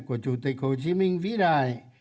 của chủ tịch hồ chí minh vĩ đại